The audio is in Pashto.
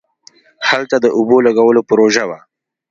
هلته د اوبو لگولو پروژه وه.